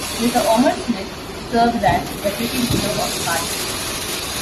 Mr. Omar Smith serves as Deputy Leader of the party.